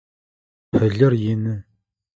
Пылыр ины.